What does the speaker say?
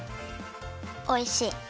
おいしい。